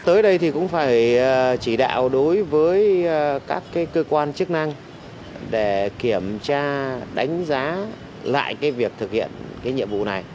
tới đây thì cũng phải chỉ đạo đối với các cơ quan chức năng để kiểm tra đánh giá lại cái việc thực hiện cái nhiệm vụ này